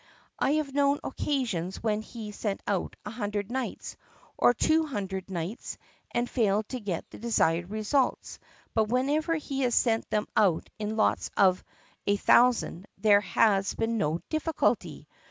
I have known occasions when he sent out a hundred knights or two hundred knights and failed to get the desired results but whenever he has sent them out in lots of a thousand there has been no difficulty.